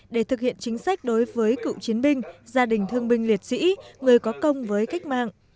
để thực hiện chính sách đối với cựu chiến binh gia đình thương binh liệt sĩ người có công với cách mạng